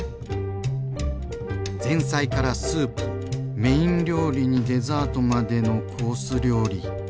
前菜からスープメイン料理にデザートまでのコース料理。